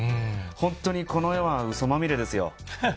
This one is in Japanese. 本当にこの世はうそまみれですよ。